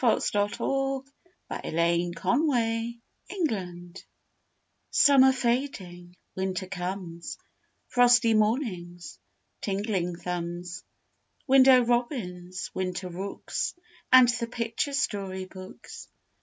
PICTURE BOOKS IN WINTER Summer fading, winter comes Frosty mornings, tingling thumbs, Window robins, winter rooks, And the picture story books.